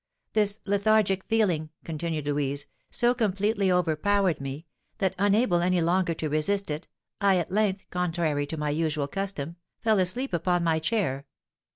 "This lethargic feeling," continued Louise, "so completely overpowered me, that, unable any longer to resist it, I at length, contrary to my usual custom, fell asleep upon my chair.